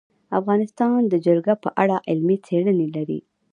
افغانستان د جلګه په اړه علمي څېړنې لري.